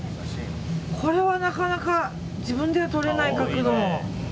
これはなかなか自分では撮れない角度の。